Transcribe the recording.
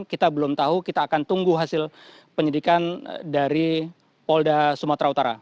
kita belum tahu kita akan tunggu hasil penyidikan dari polda sumatera utara